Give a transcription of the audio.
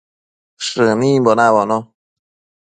Shënimbo nabono